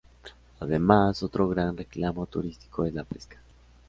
Además, otro gran reclamo turístico es la pesca.